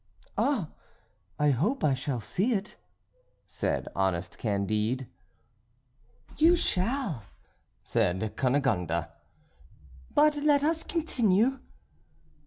"Ah! I hope I shall see it," said honest Candide. "You shall," said Cunegonde, "but let us continue."